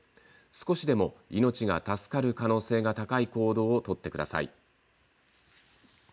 少しでも命が助かる可能性が高い行動を取ってください。